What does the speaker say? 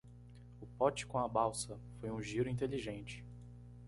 O pote com a balsa foi um giro inteligente.